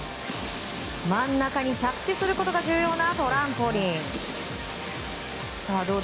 真ん中に着地することが重要なトランポリン！